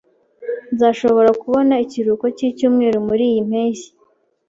Nzashobora kubona ikiruhuko cyicyumweru muriyi mpeshyi.